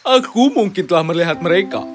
aku mungkin telah melihat mereka